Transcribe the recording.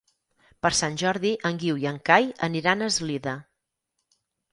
Per Sant Jordi en Guiu i en Cai aniran a Eslida.